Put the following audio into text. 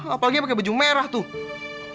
apalagi pakai baju merah tuh